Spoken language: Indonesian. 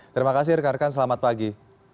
terima kasih rekan rekan selamat pagi